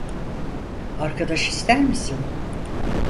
Arkadaş ister misin?